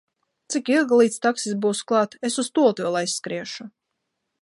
Cik ilgi, līdz taksis būs klāt? Es uz tualeti vēl aizskriešu!